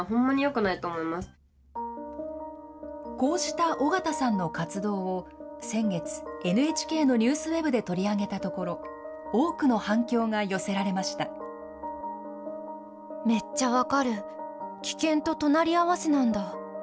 こうした尾形さんの活動を先月、ＮＨＫのニュースＷＥＢで取り上げたところ、多くの反響が寄せらめっちゃ分かる、危険と隣り合わせなんだ。